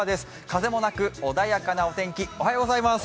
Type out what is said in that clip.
風もなく穏やかなお天気。